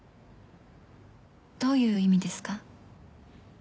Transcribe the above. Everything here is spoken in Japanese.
どういう意味ですか？